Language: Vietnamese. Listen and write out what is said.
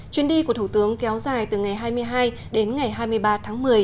chuyến đi của thủ tướng kéo dài từ ngày hai mươi hai đến ngày hai mươi ba tháng một mươi